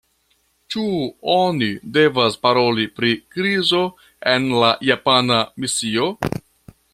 Ĉu oni devas paroli pri krizo en la japana misio?